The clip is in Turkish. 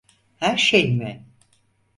Her şey mi?